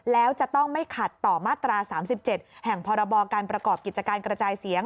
แล้วจะต้องไม่ขัดต่อมาตรา๓๗แห่งพรบการประกอบกิจการกระจายเสียง